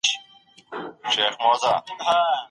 ګاونډی هیواد ګډ بازار نه پریږدي.